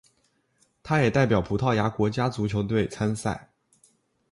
他也代表葡萄牙国家足球队参赛。